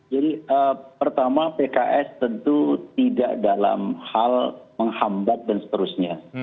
jadi pertama pks tentu tidak dalam hal menghambat dan seterusnya